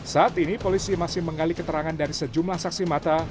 saat ini polisi masih menggali keterangan dari sejumlah saksi mata